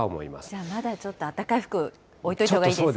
じゃあまだちょっとあったかい服、置いておいたほうがいいですね。